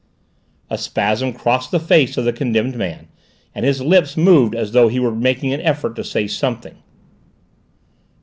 A spasm crossed the face of the condemned man, and his lips moved as though he were making an effort to say something.